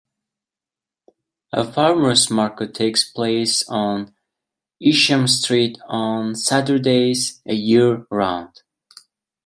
A farmers' market takes place on Isham Street on Saturdays, year-round.